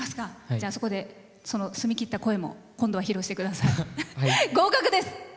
そこで、澄み切った声も今度は披露してください。